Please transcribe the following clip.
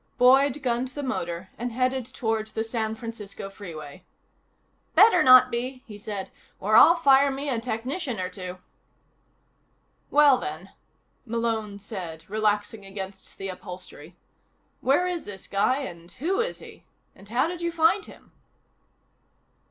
Boyd gunned the motor and headed toward the San Francisco Freeway. "Better not be," he said, "or I'll fire me a technician or two." "Well, then," Malone said, relaxing against the upholstery, "where is this guy, and who is he? And how did you find him?"